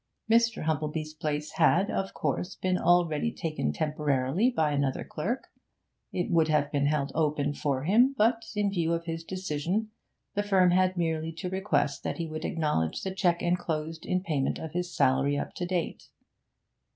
Mr. Humplebee's place had, of course, been already taken temporarily by another clerk; it would have been held open for him, but, in view of his decision, the firm had merely to request that he would acknowledge the cheque enclosed in payment of his salary up to date.